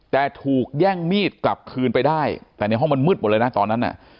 แต่ถูกแย่งมีดกลับคืนไปได้แต่ในห้องมันมืดหมดเลยนะตอนนั้นน่ะ